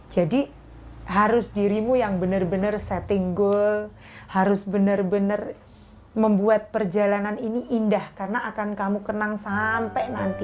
jadi harus dirimu yang benar benar setting goal harus benar benar membuat perjalanan ini indah karena akan kamu kenang sampai nanti